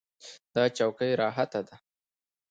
دا چوکۍ راحته ده.